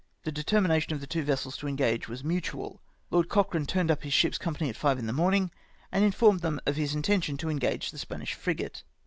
The determination of the two vessels to engage was mutual ; Lord Cochrane turned up his ship's company at five in the morning, and informed them of his intention to engage the Spanish frigate.